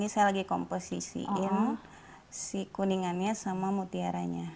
si kuningannya sama mutiaranya